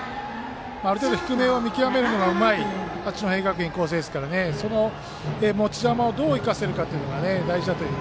ある程度低めを見極めるのがうまい八戸学院光星ですからその持ち球をどう生かせるかっていうのが大事だという。